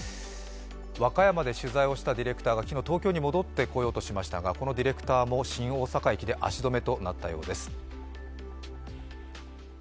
和歌山で取材をしたディレクターが今日、東京に戻ってこようとしましたがこのディレクターも新大阪駅で足止めとなったようです。